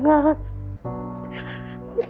แล้วลูกก็จะอยู่ด้วยแม่